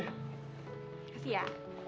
terima kasih ya